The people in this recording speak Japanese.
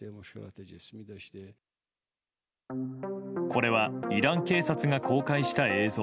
これはイラン警察が公開した映像。